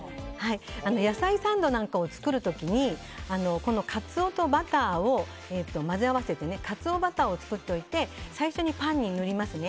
野菜サンドなんかを作る時にカツオとバターを混ぜ合わせてカツオバターを作っておいて最初にパンに塗りますね。